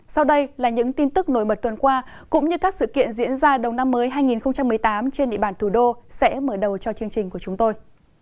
sau đây là những tin tức nổi bật tuần qua cũng như các sự kiện diễn ra đầu năm mới hai nghìn một mươi tám trên địa bàn thủ đô sẽ mở đầu cho chương trình của chúng tôi